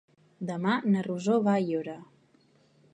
Demà na Rosó va a Aiora.